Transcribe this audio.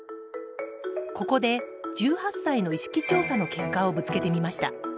ここで、１８歳の意識調査の結果をぶつけてみました。